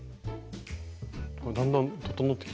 だんだん整ってきてる。